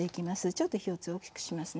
ちょっと火を強く大きくしますね。